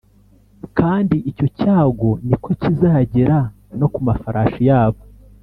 Kandi icyo cyago ni ko kizagera no ku mafarashi yabo